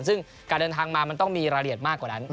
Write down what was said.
ซึ่งการเดินทางมามันต้องมีรายละเอียดมากกว่านั้น